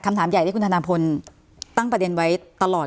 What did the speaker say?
คำถามใหญ่ที่คุณธนาพลตั้งประเด็นไว้ตลอด